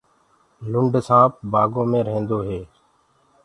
لُنڊ سآنپ بآگو مي رهيندو هي۔